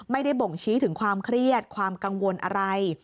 ไม่ได้บ่งชี้ถึงความเครียดความกังวลอะไร